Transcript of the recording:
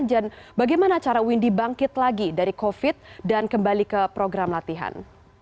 dan bagaimana cara windy bangkit lagi dari covid sembilan belas dan kembali ke program latihan